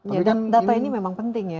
ya dan data ini memang penting ya